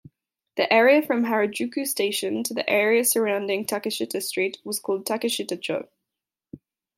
The area from Harajuku station to the area surrounding Takeshita Street was called "Takeshita-cho".